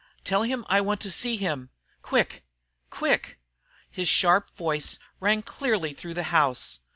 "Tell him I want to see him quick quick!" His sharp voice rang clearly through the house.